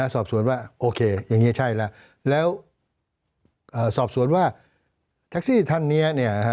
สอบสวนว่าโอเคอย่างนี้ใช่แล้วแล้วสอบสวนว่าแท็กซี่ท่านนี้เนี่ย